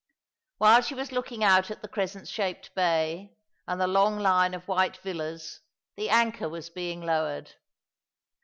While she was looking out at the crescent shaped bay, and the long line of white villas, the anchor was being lowered.